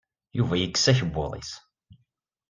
Yuba yekkes akebbuḍ-is.